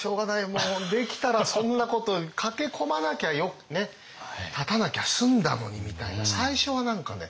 もうできたらそんなこと駆け込まなきゃね立たなきゃ済んだのにみたいな最初は何かね